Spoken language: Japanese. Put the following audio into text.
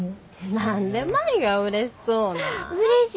何で舞がうれしそうなん。